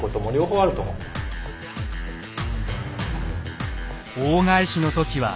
大返しの時は梅雨。